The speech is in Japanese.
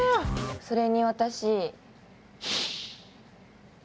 それに私。